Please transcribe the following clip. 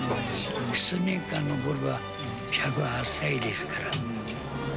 数年間登れば、１０８歳ですから。